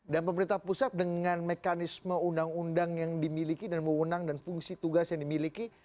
dan pemerintah pusat dengan mekanisme undang undang yang dimiliki dan mewenang dan fungsi tugas yang dimiliki